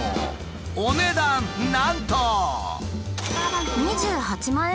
お値段なんと。